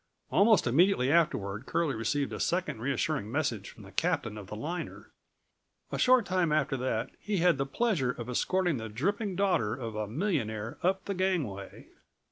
Almost immediately afterward Curlie received a second reassuring message from the captain of the liner. A short time after that he had the pleasure of escorting the dripping daughter of a millionaire up the gangway.